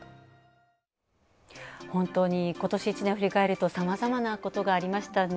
本当にことし１年を振り返るとさまざまなことがありましたね。